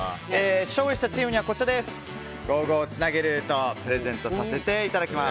勝利したチームには「ＧＯ！ＧＯ！つなげルート」をプレゼントさせていただきます。